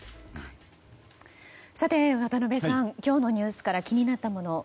渡辺さん、今日のニュースから気になったものは。